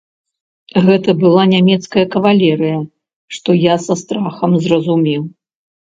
Гэта была нямецкая кавалерыя, што я са страхам зразумеў.